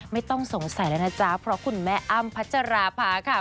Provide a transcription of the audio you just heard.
ไม่ต้องสงสัยแล้วนะจ๊ะเพราะคุณแม่อ้ำพัชราภาค่ะ